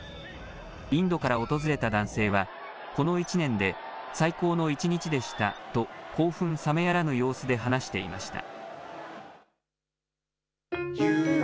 インドから訪れた男性は、この１年で最高の１日でしたと、興奮冷めやらぬ様子で話していました。